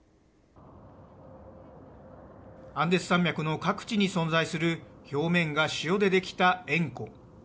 アンデス山脈の各地に存在する表面が塩でできた塩湖。